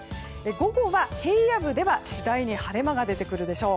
午後は、平野部では次第に晴れ間が出てくるでしょう。